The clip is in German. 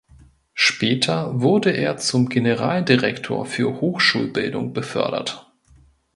Später wurde er zum Generaldirektor für Hochschulbildung befördert.